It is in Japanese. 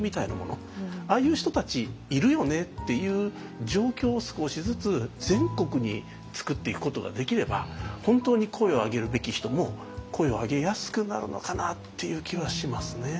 ああいう人たちいるよねっていう状況を少しずつ全国に作っていくことができれば本当に声を上げるべき人も声を上げやすくなるのかなっていう気はしますね。